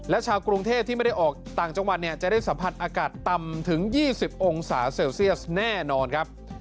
และชาวกรุงเทพที่ไม่ได้ออกต่างจังหวัดเนี่ยจะได้สัมผัสอากาศต่ำถึง๒๐องศาเซลเซียสแน่นอนครับ